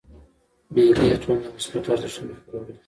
مېلې د ټولني د مثبتو ارزښتو خپرول دي.